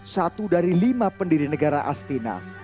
satu dari lima pendiri negara astina